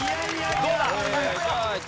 どうだ？